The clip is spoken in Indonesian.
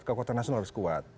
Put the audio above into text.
kekuatan nasional harus kuat